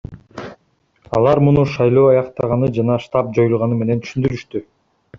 Алар муну шайлоо аяктаганы жана штаб жоюлганы менен түшүндүрүштү.